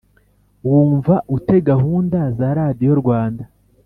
wumva ute gahunda za radiyo rwanda